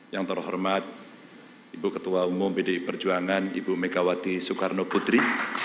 yang terhormat ibu ketua umum pdi perjuangan ibu megawati soekarno putri